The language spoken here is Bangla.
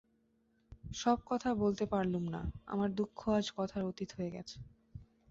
সব কথা বলতে পারলুম না, আমার দুঃখ আজ কথার অতীত হয়ে গেছে।